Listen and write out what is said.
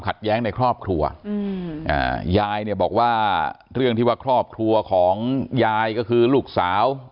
ความขัดแย้งในครอบครัวยายบอกว่าเรื่องที่ว่าครอบครัวของยายก็คือลูกสาว